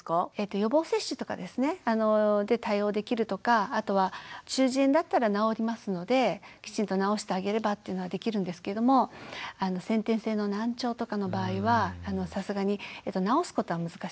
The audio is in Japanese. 予防接種とかで対応できるとかあとは中耳炎だったら治りますのできちんと治してあげればっていうのができるんですけれども先天性の難聴とかの場合はさすがに治すことは難しいんですね。